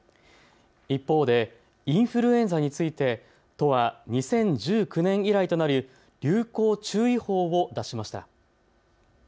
一方でインフルエンザについて都は２０１９年以来となる流行注意報を出しました。